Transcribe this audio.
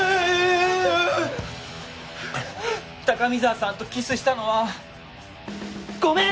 高見沢さんとキスしたのはごめん！